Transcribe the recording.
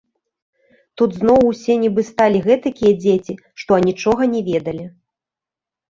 Тут зноў усе нібы сталі гэтакія дзеці, што анічога не ведалі.